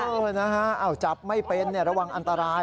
เออนะฮะจับไม่เป็นระวังอันตราย